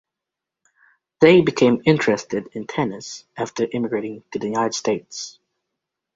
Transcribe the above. They became interested in tennis after immigrating to the United States.